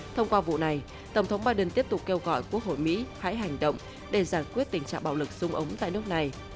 thông qua vụ này tổng thống biden tiếp tục kêu gọi quốc hội mỹ hãy hành động để giải quyết tình trạng bạo lực sung ống tại nước này